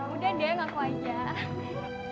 udah deh ngaku aja